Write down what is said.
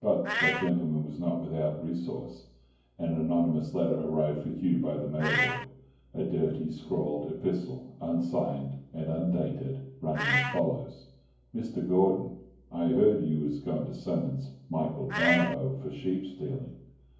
But that gentleman was not without resource; an anonymous letter arrived for Hugh by the mailboy, a dirty, scrawled epistle, unsigned and undated, running as follows:— "Mr. Gordon i herd you was gone to summons Michael Donohoe for sheep stealing.